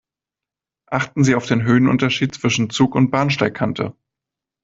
Achten Sie auf den Höhenunterschied zwischen Zug und Bahnsteigkante.